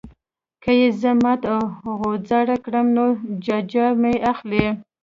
که یې زه مات او غوځار کړم نو ججه مه اخلئ.